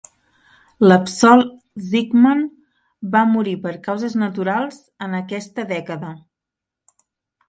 L'absolt Zechman va morir per causes naturals en aquesta dècada.